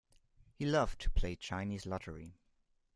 He loved to play Chinese lottery.